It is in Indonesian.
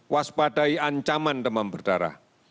waspadai ancaman demam berdarah